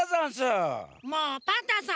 もうパンタンさん